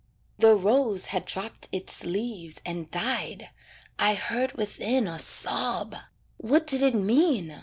The rose had dropped its leaves and died, I heard within a sob. What did it mean?